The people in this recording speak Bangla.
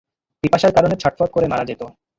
পিপাসার কারণে ছটফট করে মারা যেত।